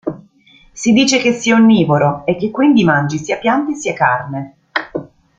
Si dice che sia onnivoro, e che quindi mangi sia piante sia carne.